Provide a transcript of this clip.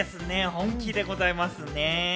本気でございますね。